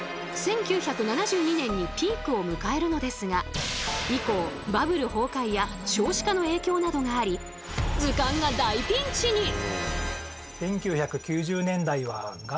１９７２年にピークを迎えるのですが以降バブル崩壊や少子化の影響などがあり図鑑が大ピンチに！